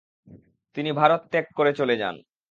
তিনি ভারত ত্যাগ করে চলে যান।